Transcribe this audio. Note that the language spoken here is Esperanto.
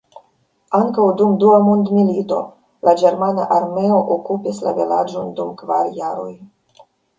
Ankaŭ dum dua mondmilito la ĝermana armeo okupis la vilaĝon dum kvar jaroj.